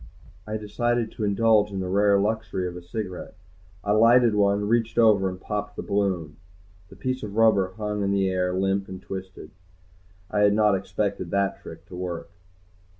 I decided to indulge in the rare luxury of a cigarette. I lighted one, reached over, and popped the balloon. The piece of rubber hung in the air, limp and twisted. I had not expected that trick to work.